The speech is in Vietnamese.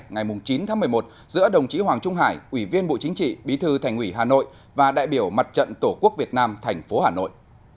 ngày chín tháng một mươi một giữa đồng chí hoàng trung hải ủy viên bộ chính trị bí thư thành ủy hà nội và đại biểu mặt trận tổ quốc việt nam thành phố hà nội